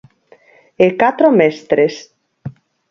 E catro mestres.